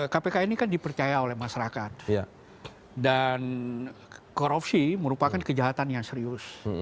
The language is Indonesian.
kpk ini kan dipercaya oleh masyarakat dan korupsi merupakan kejahatan yang serius